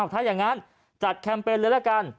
ถ้าอย่างนั้นจัดแคมเปญเลยละกัน